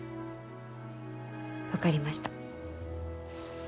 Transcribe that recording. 分かりました。